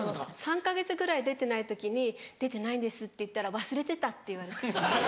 ３か月ぐらい出てない時に出てないんですって言ったら忘れてたって言われて。